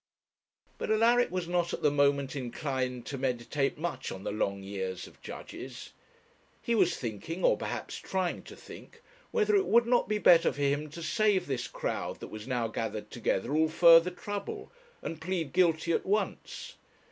But Alaric was not at the moment inclined to meditate much on the long years of judges. He was thinking, or perhaps trying to think, whether it would not be better for him to save this crowd that was now gathered together all further trouble, and plead guilty at once.